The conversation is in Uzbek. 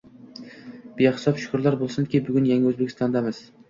Behisob shukrlar boʻlsinki, bugun yangi Oʻzbekistondamiz